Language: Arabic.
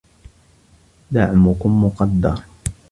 دعمكم مقدر